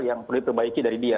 yang perlu diperbaiki dari dia